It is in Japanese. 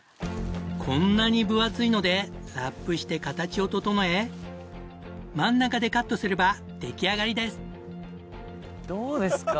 こんなに分厚いのでラップして形を整え真ん中でカットすれば出来上がりです。